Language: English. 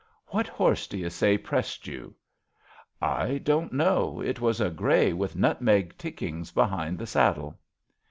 What horse, d'you say, pressed you? *'I don't know. It was a grey with nutmeg tickings behind the sad dle.''